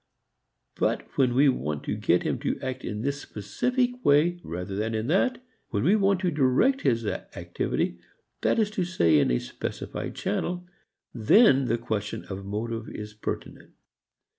But when we want to get him to act in this specific way rather than in that, when we want to direct his activity that is to say in a specified channel, then the question of motive is pertinent.